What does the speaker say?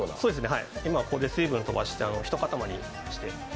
はい、これで水分を飛ばして一塊にして。